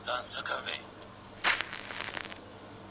د نامعلومو مسایلو د رابرسېره کولو هڅه وکړه.